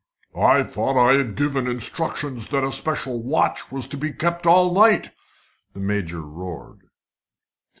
"I thought I had given instructions that a special watch was to be kept all night," the Major roared.